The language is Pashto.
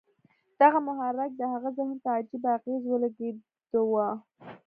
دغه محرک د هغه ذهن ته عجيبه اغېز ولېږداوه.